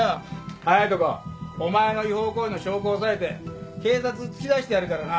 早いとこお前の違法行為の証拠を押さえて警察突き出してやるからな。